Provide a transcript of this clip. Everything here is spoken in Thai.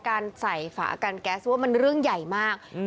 การใส่ฝากันแก๊สว่ามันเรื่องใหญ่มาก